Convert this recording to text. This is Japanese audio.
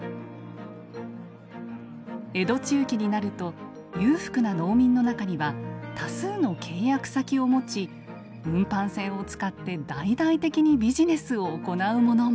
江戸中期になると裕福な農民の中には多数の契約先を持ち運搬船を使って大々的にビジネスを行う者も。